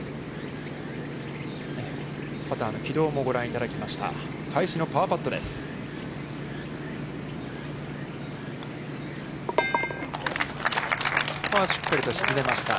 パターの軌道もご覧いただきました。